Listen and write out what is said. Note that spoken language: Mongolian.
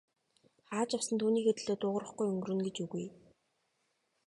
Хаа ч явсан түүнийхээ төлөө дуугарахгүй өнгөрнө гэж үгүй.